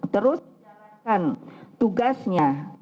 terus menjalankan tugasnya